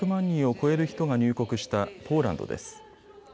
人を超える人が入国したポーランドです。